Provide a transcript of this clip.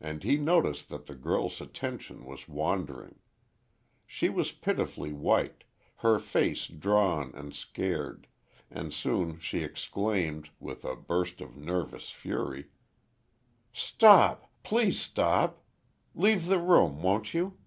And he noticed that the girl's attention was wandering. She was pitifully white, her face drawn and scared, and soon she exclaimed, with a burst of nervous fury, "Stop! please stop! Leave the room, won't you?"